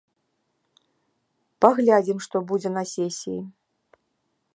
Паглядзім, што будзе на сесіі.